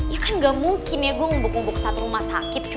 ya kan ga mungkin ya gue ngumbuk umbuk satu rumah sakit ya